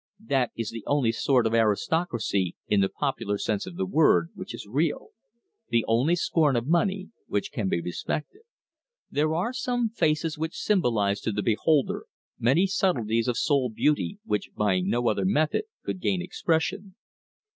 That is the only sort of aristocracy, in the popular sense of the word, which is real; the only scorn of money which can be respected. There are some faces which symbolize to the beholder many subtleties of soul beauty which by no other method could gain expression.